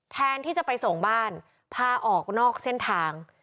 แทนที่จะไปส่งบ้านพาออกนอกเส้นทาง